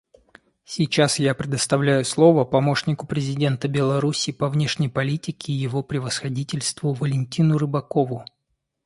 Сейчас я предоставляю слово помощнику президента Беларуси по внешней политике Его Превосходительству Валентину Рыбакову.